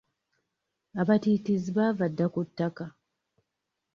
Abatiitiizi baava dda ku ttaka.